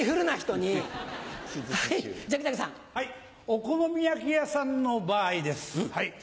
お好み焼き屋さんの場合です。